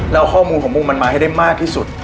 แล้วข้อมูลของมุมมันมาให้ได้มากที่สุด